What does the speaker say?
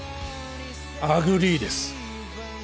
アグリーです